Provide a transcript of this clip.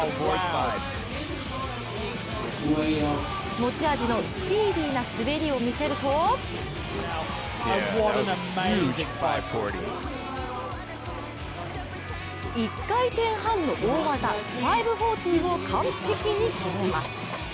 持ち味のスピーディーな滑りを見せると１回転半の大技、５４０を完璧に決めます。